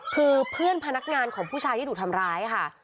คือเพื่อนพนักงานของผู้ชายที่ถูกทำร้ายค่ะ